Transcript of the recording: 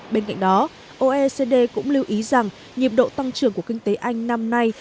bên cạnh đó oecd cũng lưu ý rằng nhịp độ tăng trưởng của kinh tế anh năm nay